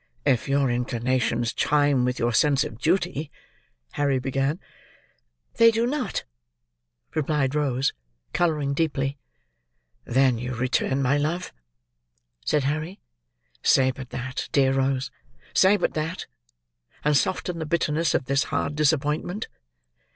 "If your inclinations chime with your sense of duty—" Harry began. "They do not," replied Rose, colouring deeply. "Then you return my love?" said Harry. "Say but that, dear Rose; say but that; and soften the bitterness of this hard disappointment!"